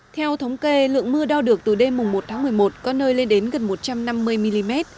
theo thống kê lượng mưa đo được từ đêm một tháng một mươi một có nơi lên đến gần một trăm năm mươi mm